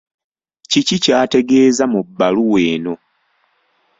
Kiki ky'ategeeza mu bbaluwa eno?